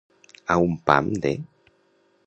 A un pam de.